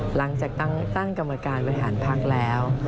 หลังจากตั้งกรรมการบริหารพักแล้ว